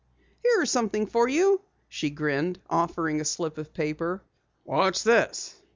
"Here's something for you," she grinned, offering a slip of paper. "What's this?"